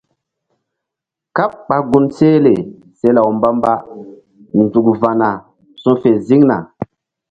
Káɓ ɓa gun sehle se law mbamba nzuk va̧na su fe ziŋna.